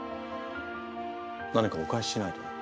何かお返ししないと。